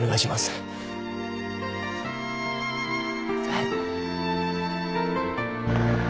はい。